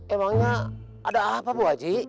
emangnya ada apa bu aji